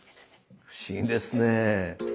不思議ですね。